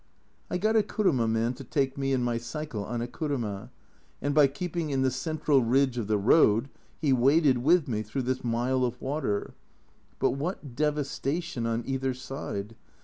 I got a kuruma man to take me and my cycle on a kuruma, and by keeping in the central ridge of the road, he waded with me through this mile of water. But what devastation on either side